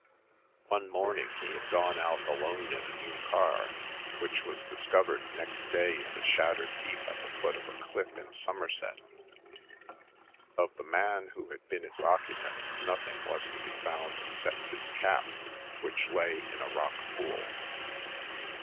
One morning he had gone out alone in a new car, which was discovered next day in a shattered heap at the foot of a cliff in Somerset. Of the man who had been its occupant nothing was to be found except his cap, which lay in a rock pool.